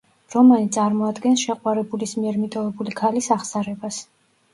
რომანი წარმოადგენს შეყვარებულის მიერ მიტოვებული ქალის აღსარებას.